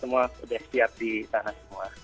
udah siap di sana semua